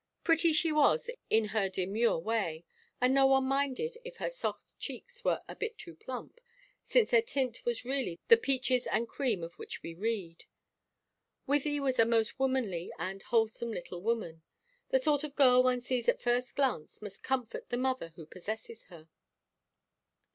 Pretty she was in her demure way, and no one minded if her soft cheeks were a bit too plump, since their tint was really the "peaches and cream" of which we read. Wythie was a most womanly and wholesome little woman, the sort of girl one sees at first glance must comfort the mother who possesses her.